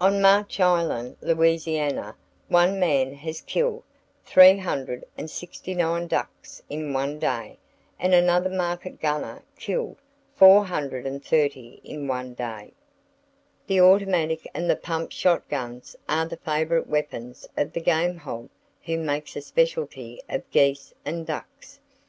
On Marsh Island, Louisiana, one man has killed 369 ducks in one day, and another market gunner killed 430 in one day. The automatic and the "pump" shot guns are the favorite weapons of the game hog who makes a specialty of geese and ducks.